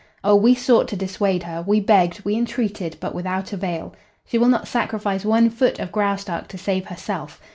Oh, we sought to dissuade her, we begged, we entreated, but without avail. She will not sacrifice one foot of Graustark to save herself.